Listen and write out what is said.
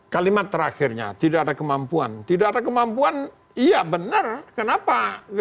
kalimat terakhirnya tidak ada kemampuan tidak ada kemampuan iya benar kenapa